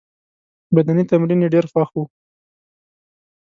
بدني تمرین یې ډېر خوښ وو.